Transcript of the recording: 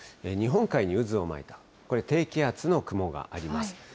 日本海に渦を巻いた、これ、低気圧の雲があります。